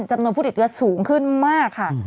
จำนวนผู้ติดเชื้อสูงขึ้นมากค่ะ